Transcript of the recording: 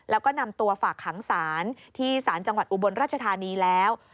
แล้วก็นำตัวฝากขังศาลที่ศาลจังหวัดอุบลราชธานีแล้ว